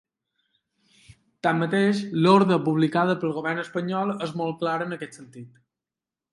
Tanmateix, l’orde publicada pel govern espanyol és molt clara en aquest sentit.